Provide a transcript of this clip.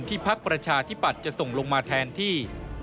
พักประชาธิปัตย์จะส่งลงมาแทนที่